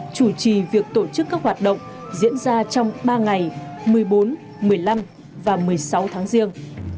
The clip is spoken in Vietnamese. chủ trì việc tổ chức các hoạt động diễn ra trong ba ngày một mươi bốn một mươi năm và một mươi sáu tháng riêng